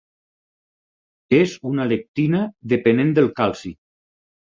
És una lectina depenent de calci.